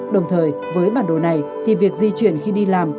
đồng thời với bản đồ này thì việc di chuyển khi đi làm